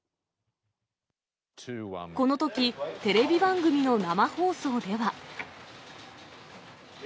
このとき、テレビ番組の生放送では。